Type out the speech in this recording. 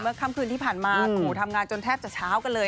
เมื่อค่ำคืนที่ผ่านมาทำงานจนแทบจะเช้ากันเลย